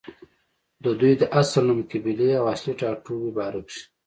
ددوي د اصل نوم، قبيلې او اصلي ټاټوبې باره کښې